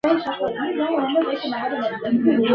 maziwa kikombe kimoja